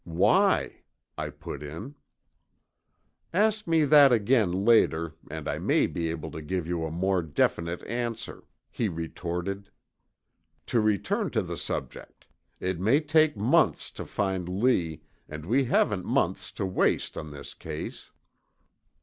"Why?" I put in. "Ask me that again later and I may be able to give you a more definite answer," he retorted. "To return to the subject. It may take months to find Lee and we haven't months to waste on this case."